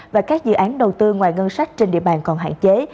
và các dự án đầu tư ngoài ngân sách trên địa bàn còn hạn chế